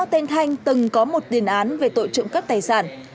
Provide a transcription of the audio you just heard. tên thanh từng có một tiền án về tội trộm cắp tài sản